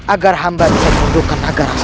agar hamba bisa berhunung dengan naga raksasa